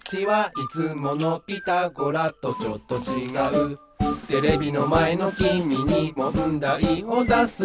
「いつもの『ピタゴラ』とちょっとちがう」「テレビのまえのきみにもんだいをだすぞ」